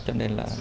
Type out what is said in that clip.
cho nên là